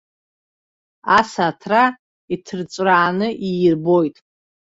Аса аҭра иҭырҵәрааны иирбоит.